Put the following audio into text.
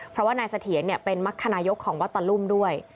เพราะว่านายสะเทียนเนี่ยเป็นมักขนายกของวัตรรุ่มด้วย